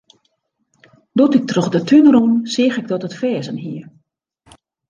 Doe't ik troch de tún rûn, seach ik dat it ferzen hie.